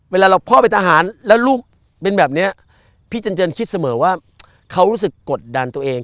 เวลาเราพ่อเป็นทหารแล้วลูกเป็นแบบนี้พี่เจนเจินคิดเสมอว่าเขารู้สึกกดดันตัวเอง